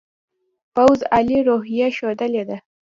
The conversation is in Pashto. پوځ عالي روحیه ښودلې ده.